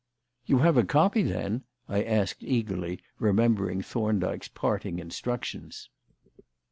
"You have a copy, then?" I asked eagerly, remembering Thorndyke's parting instructions.